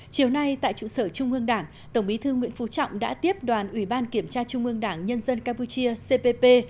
chiều nay tại trụ sở trung ương đảng tổng bí thư nguyễn phú trọng đã tiếp đoàn ủy ban kiểm tra trung ương đảng nhân dân campuchia cpp